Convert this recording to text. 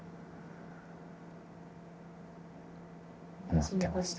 思ってました。